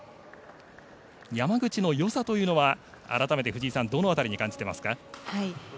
山口のよさというは改めて藤井さんどこに感じていますか？